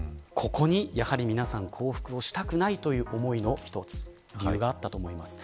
ここに、やはり皆さん降伏をしたくないという思いの理由があったと思います。